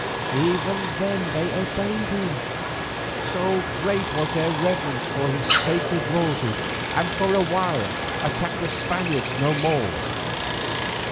Even then they obeyed him, so great was their reverence for his sacred royalty, and for a while attacked the Spaniards no more.